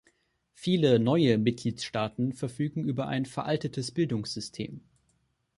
Viele neue Mitgliedstaaten verfügen über ein veraltetes Bildungssystem.